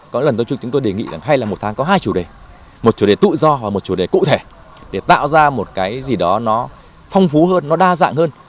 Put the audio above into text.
có lần tôi chúng tôi đề nghị rằng hay là một tháng có hai chủ đề một chủ đề tự do và một chủ đề cụ thể để tạo ra một cái gì đó nó phong phú hơn nó đa dạng hơn